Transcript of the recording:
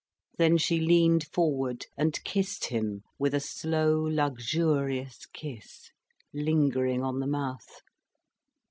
Then she leaned forward and kissed him, with a slow, luxurious kiss, lingering on the mouth.